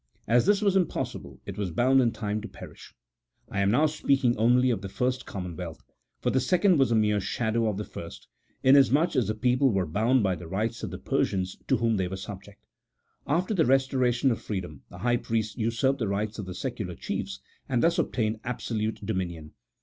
As this was impossible, it was bound in time to perish. I am now speaking only of the first common wealth, for the second was a mere shadow of the first, inas much as the people were bound by the rights of the Persians to whom they were subject. After the restoration of free dom, the high priests usurped the rights of the secular chiefs, and thus obtained absolute dominion.